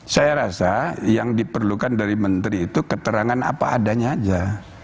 saya rasa yang diperlukan dari menteri itu keterangan apa adanya aja